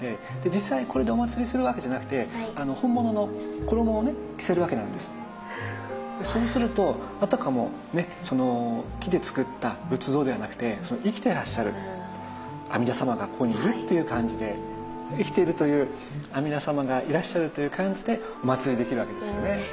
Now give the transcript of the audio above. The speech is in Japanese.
実際にこれでおまつりするわけじゃなくてそうするとあたかもね木でつくった仏像ではなくて生きてらっしゃる阿弥陀様がここにいるっていう感じで生きているという阿弥陀様がいらっしゃるという感じでおまつりできるわけですよね。